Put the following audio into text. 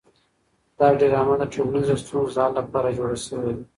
دا ډرامه د ټولنیزو ستونزو د حل لپاره جوړه شوې ده.